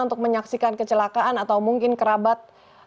untuk menyaksikan kecelakaan atau mungkin kerabat